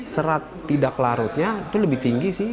serat tidak larutnya itu lebih tinggi sih